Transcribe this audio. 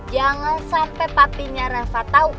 jangan sampai papinya reva tau